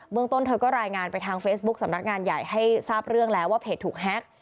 เมืองต้นเธอก็รายงานไปทางเฟซบุ๊คสำนักงานใหญ่ให้ทราบเรื่องแล้วว่าเพจถูกแฮ็ก